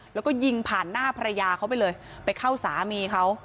แล้วก็ยิงผ่านหน้าภรรยาเขาไปเลยไปเข้าสามีเขา